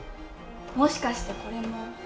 もしかしてこれも。